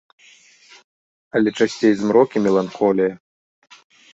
Але часцей змрок і меланхолія.